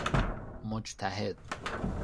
مجتهد